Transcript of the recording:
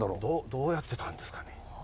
どうやってたんですかね。